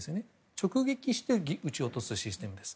直撃して撃ち落とすシステムです。